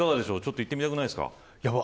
行ってみたくないですか。